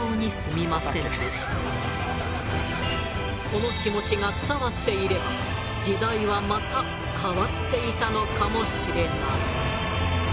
この気持ちが伝わっていれば時代はまた変わっていたのかもしれない。